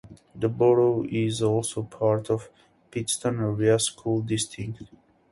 The borough is also part of Pittston Area School District.